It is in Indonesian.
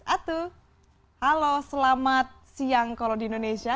atu halo selamat siang kalau di indonesia